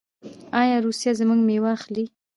آیا روسیه زموږ میوه اخلي؟